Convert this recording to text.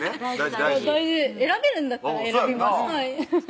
大事大事選べるんだったら選びます